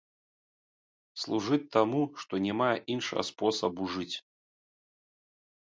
Служыць таму, што не мае іншага спосабу жыць.